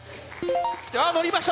あ乗りました